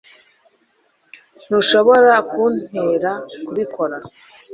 ntushobora kuntera kubikora